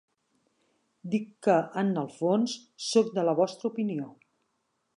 Dic que, en el fons, sóc de la vostra opinió.